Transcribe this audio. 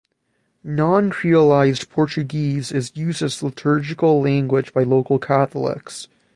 Noncreolized Portuguese is used as liturgical language by local Catholics.